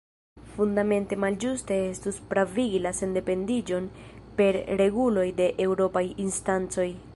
Fundamente malĝuste estus pravigi la sendependiĝon per reguloj de eŭropaj instancoj.